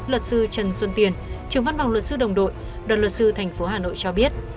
luật sư trần xuân tiền trưởng văn phòng luật sư đồng đội đoàn luật sư thành phố hà nội cho biết